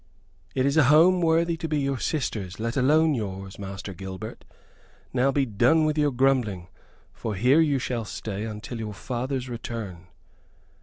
"It is a home worthy to be your sister's, let alone yours, Master Gilbert. Now be done with your grumbling, for here you shall stay until your father's return."